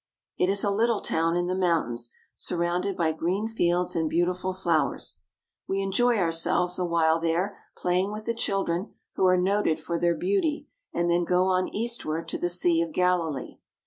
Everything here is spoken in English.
It is a little town in the mountains, surrounded by green fields and beautiful flowers. We Fishing on the Sea of Galilee. enjoy ourselves awhile there, playing with the children, who are noted for their beauty, and then go on eastward to the Sea of Galilee.